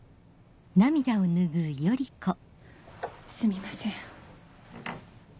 すみません。